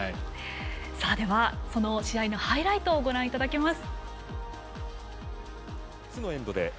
では、その試合のハイライトをご覧いただきます。